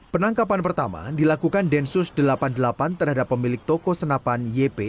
penangkapan pertama dilakukan densus delapan puluh delapan terhadap pemilik toko senapan yp